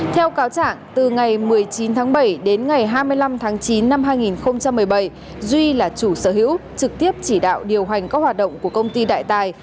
theo cáo trạng từ ngày một mươi chín tháng bảy đến ngày hai mươi năm tháng chín năm hai nghìn một mươi bảy duy là chủ sở hữu trực tiếp chỉ đạo điều hành các hoạt động của công ty đại tài